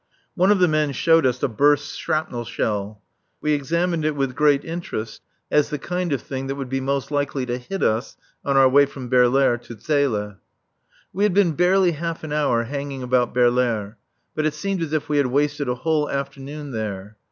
One of the men showed us a burst shrapnel shell. We examined it with great interest as the kind of thing that would be most likely to hit us on our way from Baerlaere to Zele. We had been barely half an hour hanging about Baerlaere, but it seemed as if we had wasted a whole afternoon there.